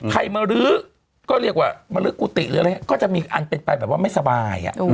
ใครมาลื้อก็เรียกว่ามรื้อกุฏิหรืออะไรอย่างนี้ก็จะมีอันเป็นไปแบบว่าไม่สบาย